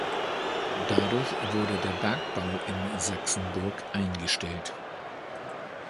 Dadurch wurde der Bergbau in Sachsenburg eingestellt.